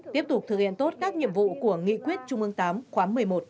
tiếp tục thực hiện tốt các nhiệm vụ của nghị quyết trung ương viii khóa một mươi một